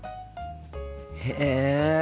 へえ。